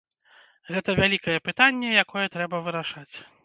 Гэта вялікае пытанне, якое трэба вырашаць.